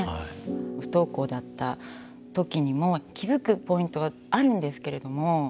不登校だった時にも気付くポイントはあるんですけれども。